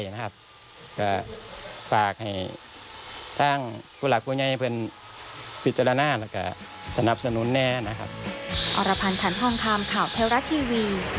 และฝากให้ตั้งผู้หลักผู้ใยเป็นพิจารณาและสนับสนุนแน่นะครับ